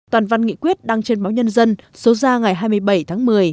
toàn văn nghị quyết đăng trên báo nhân dân số ra ngày hai mươi bảy tháng một mươi